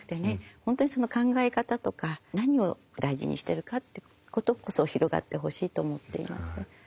本当にその考え方とか何を大事にしてるかってことこそ広がってほしいと思っています。